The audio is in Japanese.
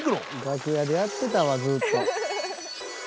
「楽屋でやってたわずっと」